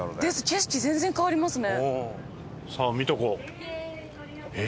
景色全然変わりますね。